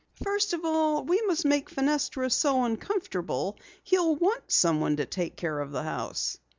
"First of all, we must make Fenestra so uncomfortable he'll want someone to take care of the house.